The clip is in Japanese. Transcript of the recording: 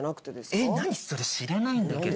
えっ何それ知らないんだけど。